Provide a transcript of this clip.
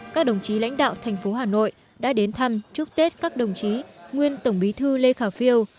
các đồng chí lãnh đạo thành phố hà nội đã đến thăm chúc tết các đồng chí nguyên tổng bí thư lê khả phiêu